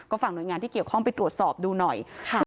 ฝากหน่วยงานที่เกี่ยวข้องไปตรวจสอบดูหน่อย